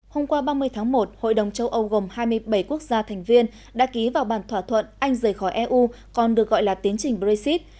hôm qua ba mươi tháng một hội đồng châu âu gồm hai mươi bảy quốc gia thành viên đã ký vào bản thỏa thuận anh rời khỏi eu còn được gọi là tiến trình brexit